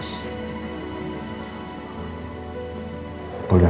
kasihin mama sendirian